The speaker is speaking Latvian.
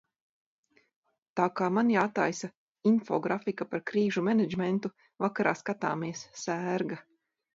Tā kā man jātaisa infografika par krīžu menedžmentu, vakarā skatāmies "Sērga".